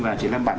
và chị lâm bản